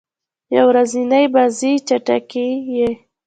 یو ورځنۍ بازۍ چټکي يي.